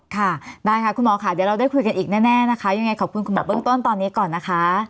ค่ะได้ค่ะคุณหมอค่ะเดี๋ยวเราได้คุยกันอีกแน่นะคะยังไงขอบคุณคุณหมอเบื้องต้นตอนนี้ก่อนนะคะ